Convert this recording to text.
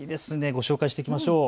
ご紹介していきましょう。